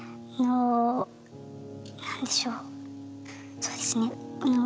そうですねあの。